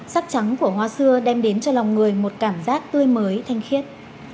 sắc trắng của hoa xưa đem đến cho lòng người một cảm giác tươi mới thanh khiết